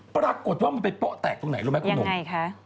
ปรากฏว่ามันไปโป๊ะแตกตรงไหนรู้ไหมคุณหนุ่มไงคะ